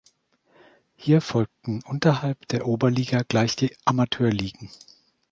Hier folgten unterhalb der Oberliga gleich die Amateurligen.